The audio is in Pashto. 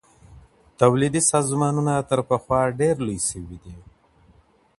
توليدي سازمانونه تر پخوا ډېر لوی سوي دي.